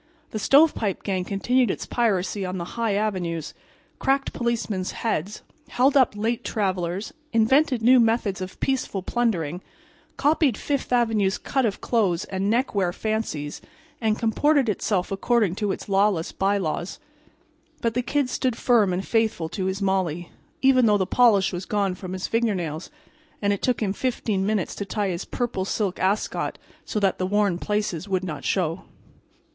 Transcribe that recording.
The Stovepipe gang continued its piracy on the high avenues, cracked policemen's heads, held up late travelers, invented new methods of peaceful plundering, copied Fifth avenue's cut of clothes and neckwear fancies and comported itself according to its lawless bylaws. But the Kid stood firm and faithful to his Molly, even though the polish was gone from his fingernails and it took him 15 minutes to tie his purple silk ascot so that the worn places would not show.